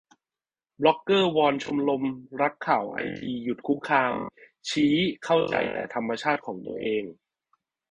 บล็อกเกอร์วอนชมรมรักข่าวไอทีหยุดคุกคาม ชี้เข้าใจแต่ธรรมชาติของตัวเอง